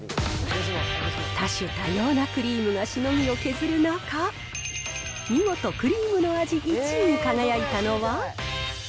多種多様なクリームがしのぎを削る中、見事クリームの味１位に輝いたのは？